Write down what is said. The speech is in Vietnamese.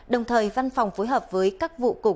đồng thời văn phòng phối hợp với các vụ